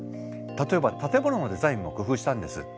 例えば建物のデザインも工夫したんです。